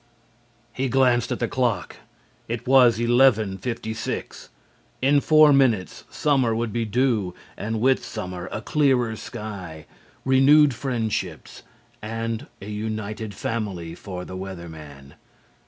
He glanced at the clock. It was 11:56. In four minutes summer would be due, and with summer a clearer sky, renewed friendships and a united family for the Weather Man.